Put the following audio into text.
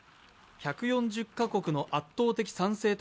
１４０カ国の圧倒的賛成